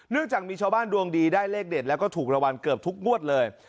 จากมีชาวบ้านดวงดีได้เลขเด็ดแล้วก็ถูกรางวัลเกือบทุกงวดเลย